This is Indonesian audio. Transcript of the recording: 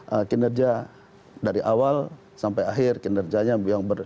yang kinerja dari awal sampai akhir kinerjanya yang ber